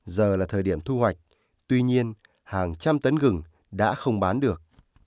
giờ là thời điểm thu hoạch tuy nhiên hàng trăm tấn gừng đã không bán được